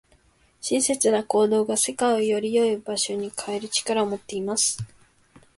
親切な行動が、世界をより良い場所に変える力を持っています。